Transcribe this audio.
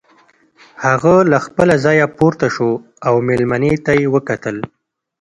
هغه له خپله ځايه پورته شو او مېلمنې ته يې وکتل.